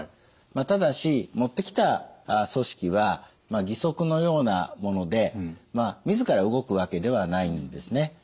ただし持ってきた組織は義足のようなもので自ら動くわけではないんですね。